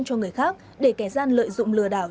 cho người khác để kẻ gian lợi dụng lừa đảo